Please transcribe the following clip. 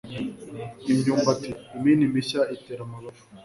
imyumbati. imihini mishya itera amabavu